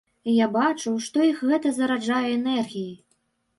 І я бачу, што іх гэта зараджае энергіяй.